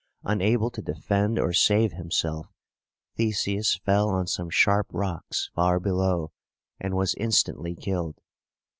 Unable to defend or save himself, Theseus fell on some sharp rocks far below, and was instantly killed.